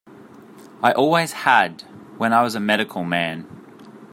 I always had, when I was a medical man.